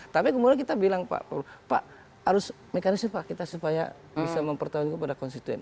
tapi kemudian kita bilang pak harus mekanisme pak kita supaya bisa mempertahankan kepada konstituen